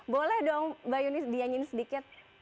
boleh dong mbak yuni dianyin sedikit